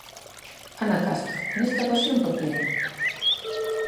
Ana Castro, nesta ocasión por que é?